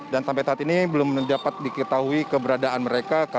dan sampai saat ini belum dapat diketahui keberadaan mereka